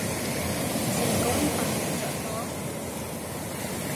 成功瞓着咗